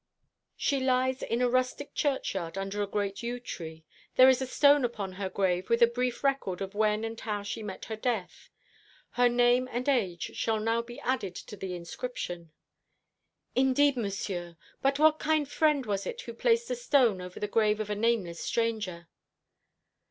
"She lies in a rustic churchyard under a great yew tree. There is a stone upon her grave, with a brief record of when and how she met her death. Her name and age shall now be added to the inscription." "Indeed, Monsieur! But what kind friend was it who placed a stone over the grave of a nameless stranger?"